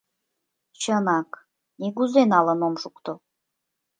Чынак, нигузе налын ом шукто.